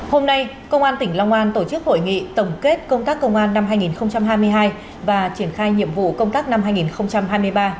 hôm nay công an tỉnh long an tổ chức hội nghị tổng kết công tác công an năm hai nghìn hai mươi hai và triển khai nhiệm vụ công tác năm hai nghìn hai mươi ba